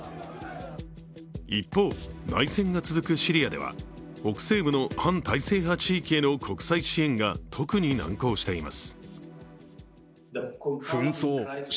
一方、内戦が続くシリアでは北西部の反体制派地域への国際支援が特に難航しています。